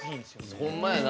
ほんまやな。